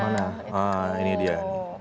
nah ini dia